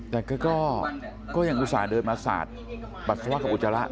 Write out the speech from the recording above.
แต่ก็ยังอุตส่าห์เดินมาสาดปัสสาวะกับอุจจาระ